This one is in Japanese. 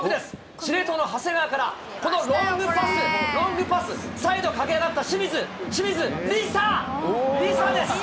司令塔の長谷川から、このロングパス、ロングパス、サイドを駆け上がった清水、清水梨紗、梨紗です。